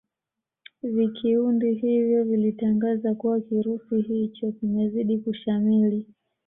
vikiundi hivyo vilitangaza kuwa kirusi hicho kimezidi kushamili